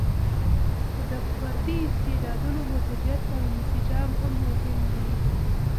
خو د فردي استعدادونو مدیریت او انسجام هم مهم دی.